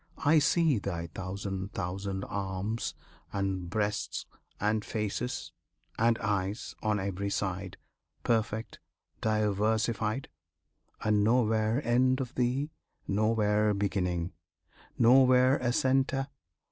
I see Thy thousand thousand arms, and breasts, and faces, And eyes, on every side Perfect, diversified; And nowhere end of Thee, nowhere beginning, Nowhere a centre!